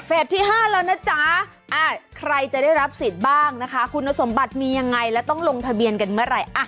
ที่๕แล้วนะจ๊ะใครจะได้รับสิทธิ์บ้างนะคะคุณสมบัติมียังไงแล้วต้องลงทะเบียนกันเมื่อไหร่